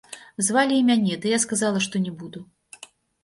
Звалі і мяне, ды я сказала, што не буду.